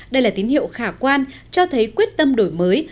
đây là tín hiệu khả quan cho thấy quyết tâm đổi mới